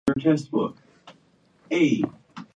ピアウイ州の州都はテレジーナである